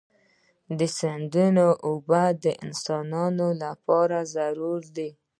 د سیندونو اوبه د انسانانو لپاره ضروري دي.